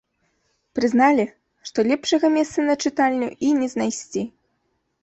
Прызналі, што лепшага месца на чытальню й не знайсці.